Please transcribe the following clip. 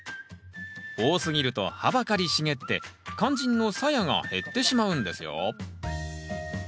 多すぎると葉ばかり茂って肝心のさやが減ってしまうんですよ。